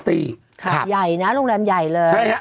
ใหญ่นะโรงแรมใหญ่เลย